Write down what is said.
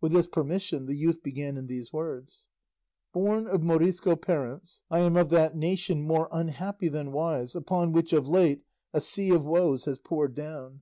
With this permission the youth began in these words. "Born of Morisco parents, I am of that nation, more unhappy than wise, upon which of late a sea of woes has poured down.